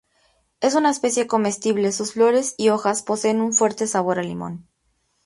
Es una especie comestible, sus flores y hojas poseen un fuerte sabor a limón.